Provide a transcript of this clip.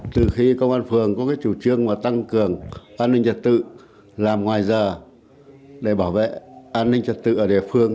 từ khi công an phường có cái chủ trương mà tăng cường an ninh trật tự làm ngoài giờ để bảo vệ an ninh trật tự ở địa phương